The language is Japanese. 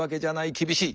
厳しい。